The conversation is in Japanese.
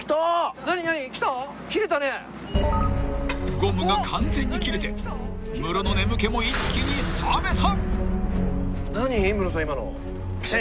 ［ゴムが完全に切れてムロの眠気も一気に覚めた］